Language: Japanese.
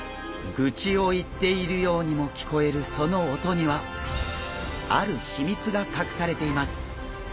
グチを言っているようにも聞こえるその音にはある秘密が隠されています！